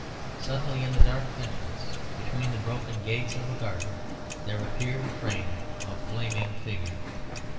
Suddenly in the dark entrance, between the broken gates of a garden, there appeared framed a flaming figure.